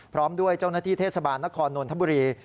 พร้อมด้วยเจ้าหน้าที่เทศบาลนครนนทบุรี